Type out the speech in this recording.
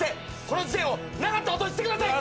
この事件をなかったことにしてください！